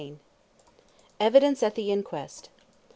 THE EVIDENCE AT THE INQUEST.